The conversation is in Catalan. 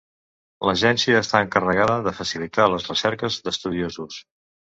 L'agència està encarregada de facilitar les recerques d'estudiosos.